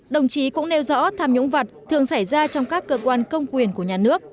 đồng chí cũng nêu rõ tham nhũng vật thường xảy ra trong các cơ quan công quyền của nhà nước